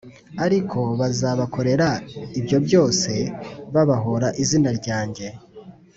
Ariko bazabakorera ibyo byose babahora izina ryanjye